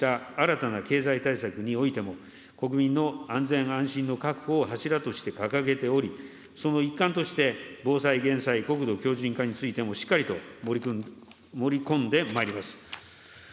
先週８日に指示した新たな経済対策においても、国民の安全安心の確保を柱として掲げており、その一環として、防災・減災、国土強じん化についてもしっかりと盛り込んでまいります。